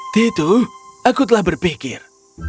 titu aku telah berpikir